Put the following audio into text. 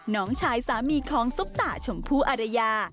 น้องชายสามีของซุปตาชมพู่อารยา